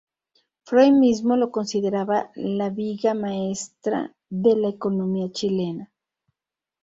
Frei mismo lo consideraba "la viga maestra de la economía chilena".